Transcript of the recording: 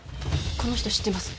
この人知ってます。